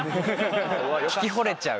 聴きほれちゃう。